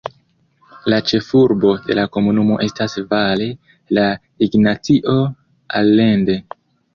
La ĉefurbo de la komunumo estas Valle de Ignacio Allende.